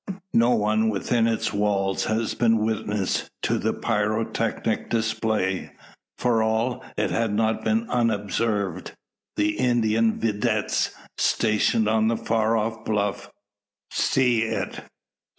No one within its walls has been witness to the pyrotechnic display. For all, it has not been unobserved. The Indian videttes, stationed on the far off bluff, see it.